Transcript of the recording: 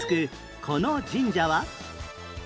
この神社は？